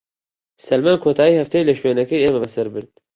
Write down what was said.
سەلمان کۆتاییی هەفتەی لە شوێنەکەی ئێمە بەسەر برد.